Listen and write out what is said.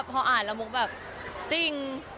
พออ่านผมมุกแบบจริง